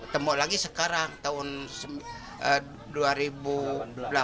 temu lagi sekarang tahun dua ribu delapan belas